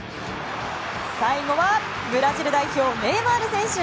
最後はブラジル代表、ネイマール選手。